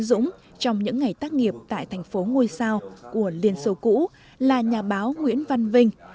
dũng trong những ngày tác nghiệp tại thành phố ngôi sao của liên xô cũ là nhà báo nguyễn văn vinh